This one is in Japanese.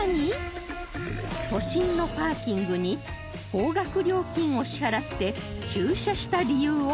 都心のパーキングに高額料金を支払って駐車した理由を調査